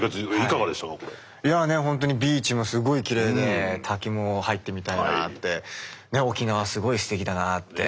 本当にビーチもすごいきれいで滝も入ってみたいなって沖縄すごいすてきだなって。